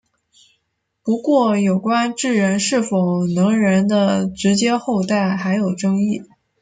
不过有关智人是否能人的直接后代还有争议。